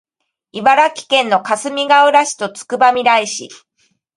茨城県のかすみがうら市とつくばみらい市